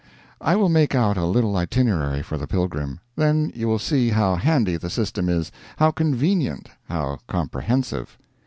I will make out a little itinerary for the pilgrim; then you will see how handy the system is, how convenient, how comprehensive.